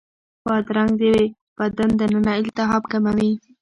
بادرنګ د بدن دننه التهاب کموي.